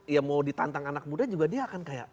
ya mau ditantang anak muda juga dia akan kayak